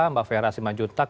mbak fera siman juntag